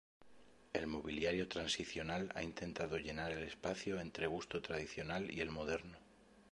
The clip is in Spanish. El mobiliario transicional ha intentado llenar el espacio entre gusto tradicional y el moderno.